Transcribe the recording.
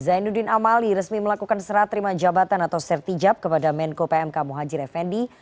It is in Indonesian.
zainuddin amali resmi melakukan serah terima jabatan atau sertijab kepada menko pmk muhajir effendi